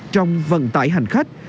trong vận tải hành khách